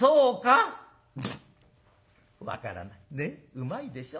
うまいでしょ？